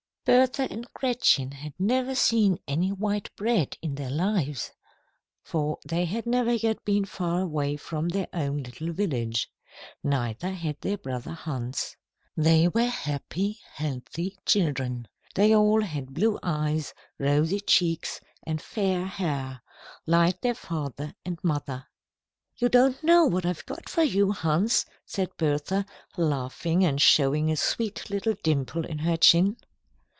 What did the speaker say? Bertha and Gretchen had never seen any white bread in their lives, for they had never yet been far away from their own little village. Neither had their brother Hans. They were happy, healthy children. They all had blue eyes, rosy cheeks, and fair hair, like their father and mother. "You don't know what I've got for you, Hans," said Bertha, laughing and showing a sweet little dimple in her chin.